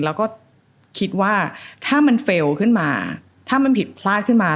แล้วก็คิดว่าถ้ามันเฟลล์ขึ้นมาถ้ามันผิดพลาดขึ้นมา